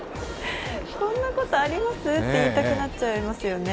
こんなことあります？って言いたくなっちゃいますよね。